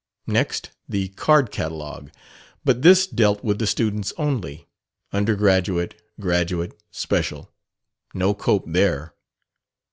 Next the card catalogue. But this dealt with the students only undergraduate, graduate, special. No Cope there.